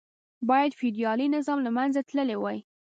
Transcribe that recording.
باید فیوډالي نظام له منځه تللی وای.